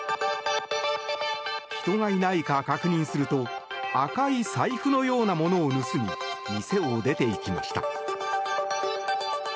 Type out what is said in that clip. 人がいないか確認すると赤い財布のようなものを盗み店を出ていきました。